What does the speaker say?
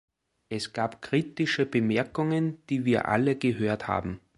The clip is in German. Es gab kritische Bemerkungen, die wir alle gehört haben.